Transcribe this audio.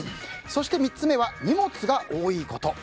そして３つ目は荷物が多いこと。